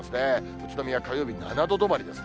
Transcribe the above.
宇都宮、火曜日７度止まりですね。